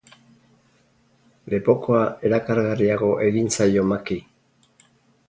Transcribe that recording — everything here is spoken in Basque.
Lepokoa erakargarriago egin zaio Maki.